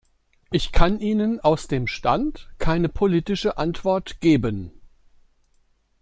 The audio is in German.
Ich kann Ihnen aus dem Stand keine politische Antwort geben.